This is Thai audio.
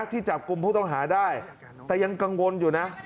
จับกลุ่มผู้ต้องหาได้แต่ยังกังวลอยู่นะ